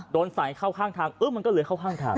โดนใส่เข้าข้างทางมันก็เลยเข้าข้างทาง